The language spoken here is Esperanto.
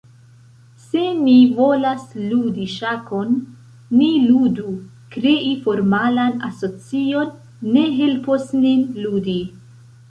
Se ni volas ludi ŝakon, ni ludu, krei formalan asocion ne helpos nin ludi.